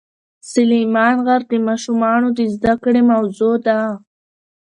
سلیمان غر د ماشومانو د زده کړې موضوع ده.